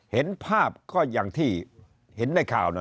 เห็นภาพก็อย่างที่เห็นในข่าวนะ